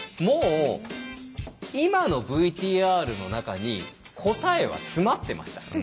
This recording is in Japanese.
もう今のＶＴＲの中に答えは詰まってました。